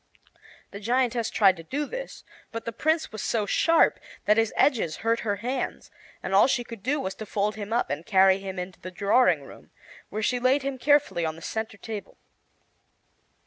The giantess tried to do this, but the Prince was so sharp that his edges hurt her hands, and all she could do was to fold him up and carry him into the drawing room, where she laid him carefully on the center table.